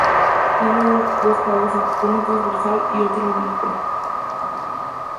Tiene dos cabezas, una transversa y otra oblicua.